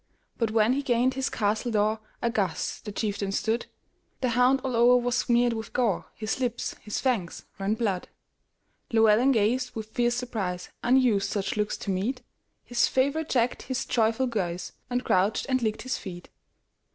But, when he gained his castle door, Aghast the chieftain stood; The hound all o'er was smeared with gore, His lips, his fangs, ran blood. Llewelyn gazed with fierce surprise; Unused such looks to meet, His favorite checked his joyful guise, And crouched and licked his feet.